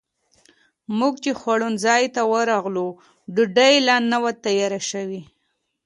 موږ چې خوړنځای ته ورغلو، ډوډۍ لا نه وه تیاره شوې.